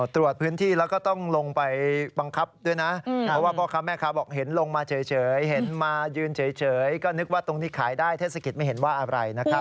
ตรวจพื้นที่แล้วก็ต้องลงไปบังคับด้วยนะเพราะว่าพ่อค้าแม่ค้าบอกเห็นลงมาเฉยเห็นมายืนเฉยก็นึกว่าตรงนี้ขายได้เทศกิจไม่เห็นว่าอะไรนะครับ